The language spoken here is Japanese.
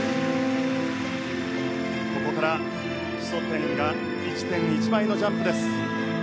ここから基礎点が１．１倍のジャンプです。